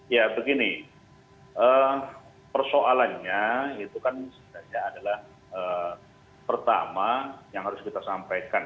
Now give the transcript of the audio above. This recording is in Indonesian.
ya begini persoalannya itu kan sebenarnya adalah pertama yang harus kita sampaikan